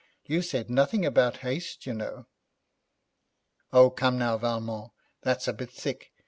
You said nothing about haste, you know.' 'Oh, come now, Valmont, that's a bit thick.